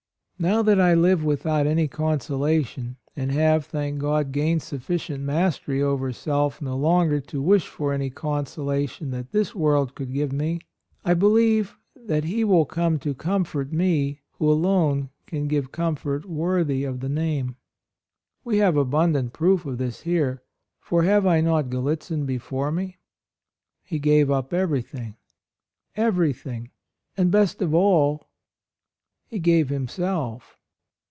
... Now that I live without any consolation, and have, thank God, gained sufficient mastery over self no longer to wish for any consolation that this world could give me, I believe that He will come to comfort me who alone can give comfort worthy of the name. We have abundant proof of this here. For have I not Gallitzin before me? He gave up everything — everything ; and, best of all, he gave himself.